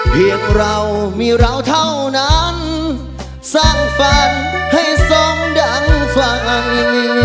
พวกเรามีเราเท่านั้นสร้างฝันให้ทรงดังฟัง